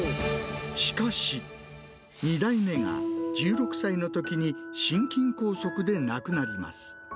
しかし、２代目が１６歳のときに心筋梗塞で亡くなります。